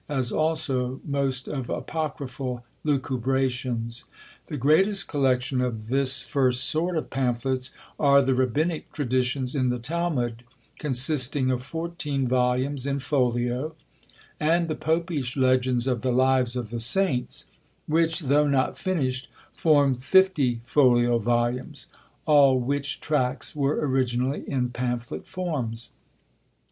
as also most of apocryphal lucubrations. The greatest collection of this first sort of Pamphlets are the Rabbinic traditions in the Talmud, consisting of fourteen volumes in folio, and the Popish legends of the Lives of the Saints, which, though not finished, form fifty folio volumes, all which tracts were originally in pamphlet forms.